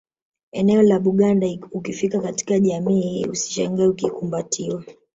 Eneo la Buganda ukifika katika jamii hii usishangae ukikumbatiwa